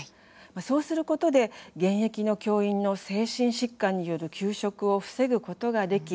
そうすることで現役の教員の精神疾患による休職を防ぐことができ